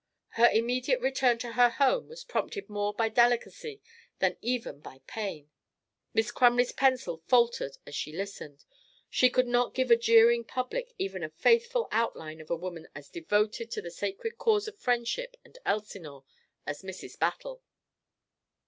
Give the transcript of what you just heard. Her immediate return to her home was prompted more by delicacy than even by pain. Miss Crumley's pencil faltered as she listened. She could not give a jeering public even a faithful outline of a woman as devoted to the sacred cause of friendship and Elsinore as Mrs. Battle.